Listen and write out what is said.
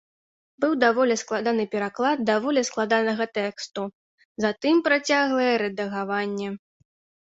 Быў даволі складаны пераклад даволі складанага тэксту, затым працяглае рэдагаванне.